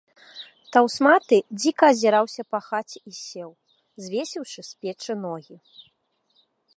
Таўсматы дзiка азiрнуўся па хаце i сеў, звесiўшы з печы ногi.